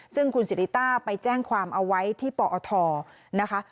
ซึ่งคุณสิริต้าไปแจ้งความเอาไว้ที่ปอทนะคะ